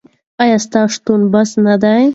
ایا ستا شتون بس نه دی؟